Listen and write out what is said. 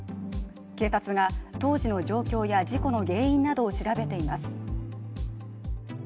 警察が当時の状況や事故の原因などを調べています。